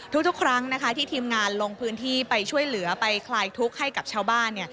ทุกครั้งนะคะที่ทีมงานลงพื้นที่ไปช่วยเหลือไปคลายทุกข์ให้กับชาวบ้านเนี่ย